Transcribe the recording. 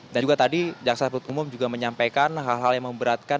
dan juga tadi jaksa perut umum juga menyampaikan hal hal yang memberatkan